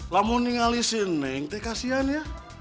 lama nungguin neng kasian ya